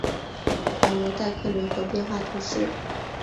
朗罗代克人口变化图示